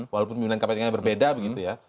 walaupun pimpinan kpk yang lainnya berbeda begitu ya